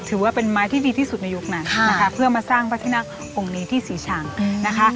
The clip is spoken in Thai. ถือว่าเป็นไม้ที่ดีที่สุดในยุคนั้นนะคะเพื่อมาสร้างพระที่นั่งองค์นี้ที่ศรีชังนะคะ